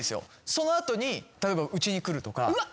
その後に例えばうちに来るとか。